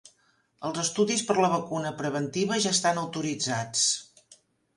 Els estudis per a la vacuna preventiva ja estan autoritzats.